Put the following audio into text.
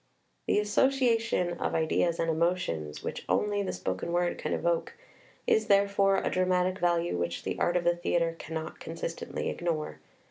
The association of ideas and emotions which only the PREFACE xxv spoken word can evoke is, therefore, a dramatic value which the art of the theatre cannot consistently ignore.